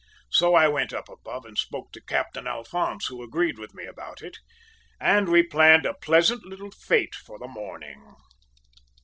So I went up above and spoke to Captain Alphonse, who agreed with me about it, and we planned a pleasant little fete for the morning.